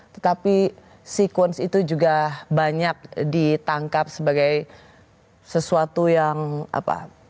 tetapi sekuens itu juga banyak ditangkap sebagai sesuatu yang apa